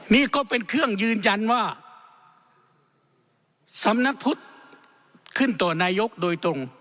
นี่ก็เป็นเครื่องยืนยันว่าสำนักพุทธขึ้นต่อนายกโดยตรง